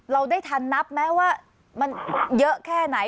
เราได้ทันนับไหมว่ามันเยอะแค่ไหน